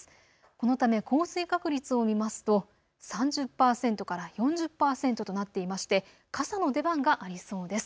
このため降水確率を見ますと３０％から４０％となっていまして傘の出番がありそうです。